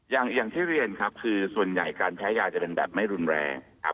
อย่างที่เรียนครับคือส่วนใหญ่การแพ้ยาจะเป็นแบบไม่รุนแรงครับ